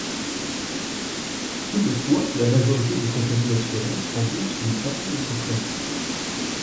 Toutefois, la majorité des compagnies d’assurance rembourse une partie de ces frais.